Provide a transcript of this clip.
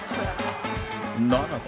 ならば